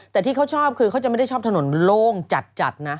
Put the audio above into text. แต่ที่เขาชอบคือเขาจะไม่ได้ชอบถนนโล่งจัดนะ